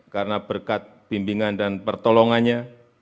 karena berkat bimbingan dan pertolongannya